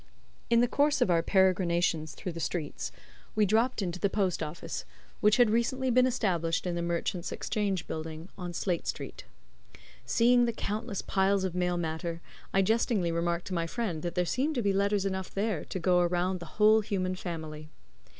In the course of our peregrinations through the streets, we dropped into the post office, which had recently been established in the Merchants' Exchange Building, on State Street. Seeing the countless piles of mail matter, I jestingly remarked to my friend that there seemed to be letters enough there to go around the whole human family.